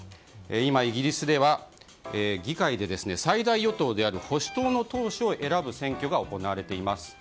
今、イギリスでは議会で最大与党である保守党の党首を選ぶ選挙が行われています。